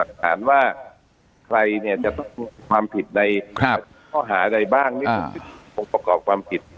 รักษาจารย์ว่าใครเนี่ยเป็นความผิดใดครับเป็นความหาใดบ้างนิดหนึ่งก็พระกอบความผิด